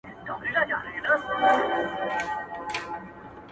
لټوم بایللی هوښ مي ستا په سترګو میخانو کي,